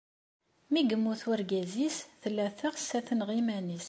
Mi yemmut wergaz-nnes, tella teɣs ad tenɣ iman-nnes.